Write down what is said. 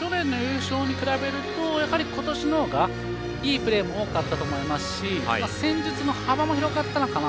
去年の優勝に比べると今年の方がいいプレーも多かったと思いますし戦術の幅も広がったのかなと。